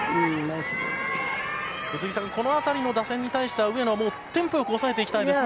宇津木さん、この辺りの打線に対しては、上野はテンポ良く抑えていきたいですね。